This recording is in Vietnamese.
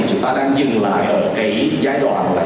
chúng ta đang dừng lại ở cái giai đoạn